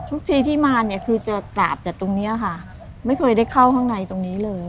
ทุกทีที่มาเนี่ยคือจะกราบจากตรงนี้ค่ะไม่เคยได้เข้าข้างในตรงนี้เลย